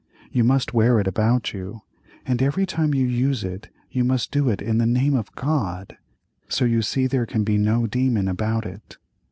You must wear it about you, and every time you use it you must do it in the name of God; so you see there can be no demon about it.